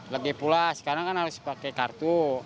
lagi pula sekarang kan harus pakai kartu